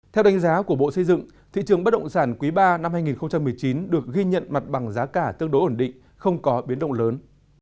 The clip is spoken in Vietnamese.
theo đánh giá của bộ xây dựng thị trường bất động sản quý ba năm hai nghìn một mươi chín được ghi nhận mặt bằng giá cả tương đối ổn định không có biến động lớn